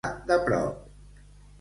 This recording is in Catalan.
Tocar de prop.